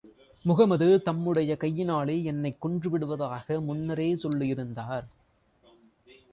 முஹம்மது தம்முடைய கையினாலே என்னைக் கொன்று விடுவதாக முன்னரே சொல்லியிருந்தார்.